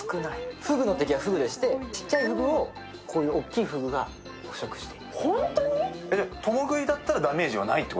ふぐの敵はふぐでしてちっゃいふぐをこういう大きいふぐが捕食してる。